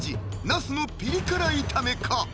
ナスのピリ辛炒めか？